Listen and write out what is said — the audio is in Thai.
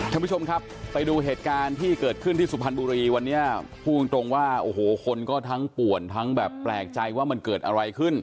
ท่านผู้ชมครับไปดูเหตุการณ์ที่เกิดขึ้นที่สุพรรณบุรีวันนี้พูดตรงว่าโอ้โหคนก็ทั้งป่วนทั้งแบบแปลกใจว่ามันเกิดอะไรขึ้น